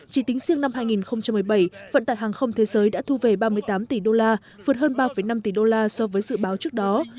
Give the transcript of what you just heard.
chỉ tính riêng năm hai nghìn một mươi bảy vận tải hàng không thế giới đã thu về ba mươi tám tỷ đô la vượt hơn ba năm tỷ đô la so với dự báo trước đó